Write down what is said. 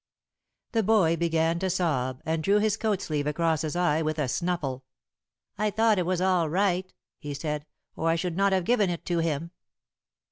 The boy began to sob, and drew his coat sleeve across his eye with a snuffle. "I thought it was all right," he said, "or I should not have given it to him."